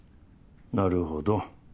なるほど。